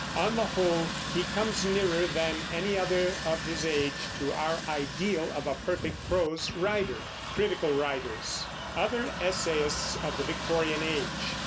On the whole he comes nearer than any other of his age to our ideal of a perfect prose writer. OTHER ESSAYISTS OF THE VICTORIAN AGE.